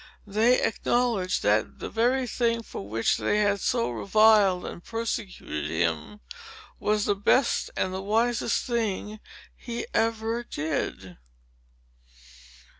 They acknowledged that the very thing, for which they had so reviled and persecuted him, was the best and wisest thing he ever did.